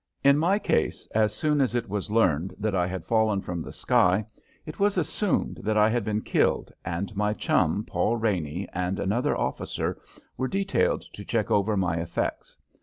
In my case, as soon as it was learned that I had fallen from the sky it was assumed that I had been killed, and my chum, Paid Raney, and another officer were detailed to check over my effects.